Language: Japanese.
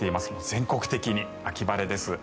全国的に秋晴れです。